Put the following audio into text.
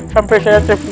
sampai saya terhijrah